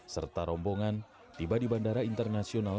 serta rombongan tiba di bandara internasional